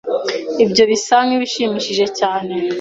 Ibyo bisa nkibishimishije cyane.